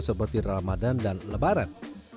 seperti ramadhan dan lebarat